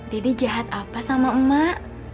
didi jahat apa sama emak